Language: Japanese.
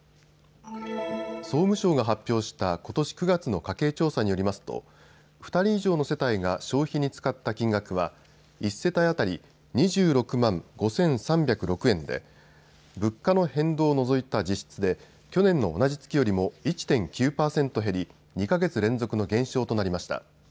総務省が発表したことし９月の家計調査によりますと２人以上の世帯が消費に使った金額は１世帯当たり２６万５３０６円で物価の変動を除いた実質で去年の同じ月よりも１．９％減り２か月連続の減少となりました。